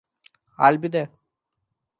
I’ll be there.